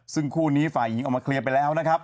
ซึ่งคู่นี้ฝ่ายหญิงออกมาเคลียร์ไปแล้วนะครับ